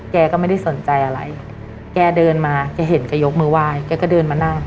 แกก็ไม่ได้สนใจอะไรแกเดินมาแกเห็นแกยกมือไหว้แกก็เดินมานั่ง